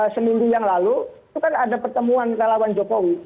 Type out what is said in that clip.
sembilan yang lalu itu kan ada pertemuan lawan jokowi